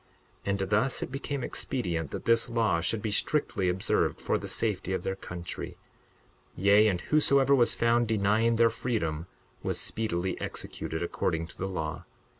62:10 And thus it became expedient that this law should be strictly observed for the safety of their country; yea, and whosoever was found denying their freedom was speedily executed according to the law.